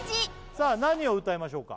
さあ何を歌いましょうか？